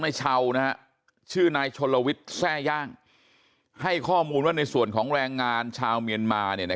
ในชาวนะชื่อนายชนลวิทแซ่ย่างให้ข้อมูลว่าในส่วนของแรงงานชาวเมียนมาเนี่ยนะ